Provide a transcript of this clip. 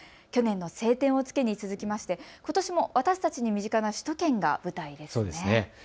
去年の青天を衝けに続きましてことしも私たちに身近な首都圏が舞台です。